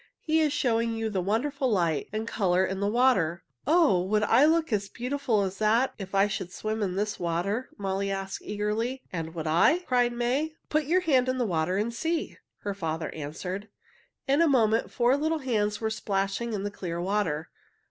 "He is showing you the wonderful light and color in the water." "Oh! Would I look as beautiful as that if I should swim in this water?" Molly asked eagerly. "And would I?" cried May. "Put your hand into the water and see," her father answered. In a moment four little hands were splashing in the clear water.